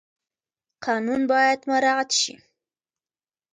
قانون باید مراعات شي